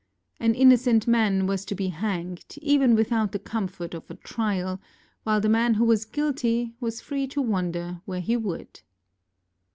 An innocent man was to be hanged, even without the comfort of a trial, while the man who was guilty was free to wander where he would.